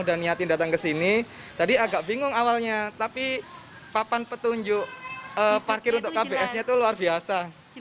udah nyatakan kesini tadi agak bingung awalnya tapi papan petunjuk parkir untuk kbs yaitu luar biasa